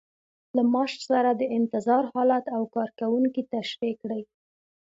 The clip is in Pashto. له معاش سره د انتظار حالت او کارکوونکي تشریح کړئ.